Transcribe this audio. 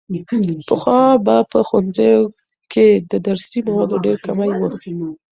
پخوا به په ښوونځیو کې د درسي موادو ډېر کمی و.